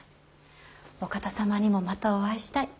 お方様にもまたお会いしたい。